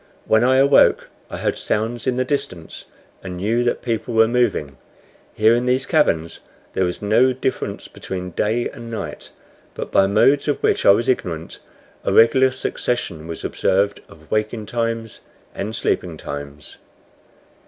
When I awoke I heard sounds in the distance, and knew that people were moving. Here in these caverns there was no difference between day and night, but, by modes of which I was ignorant, a regular succession was observed of waking times and sleeping times.